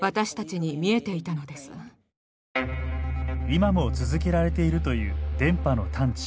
今も続けられているという電波の探知。